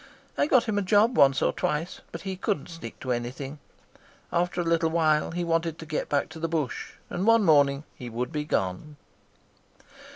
I got him a job once or twice, but he couldn't stick to anything. After a little while he wanted to get back to the bush, and one morning he would be gone."